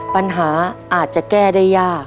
ปัญหาอาจจะแก้ได้ยาก